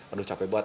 aduh capek banget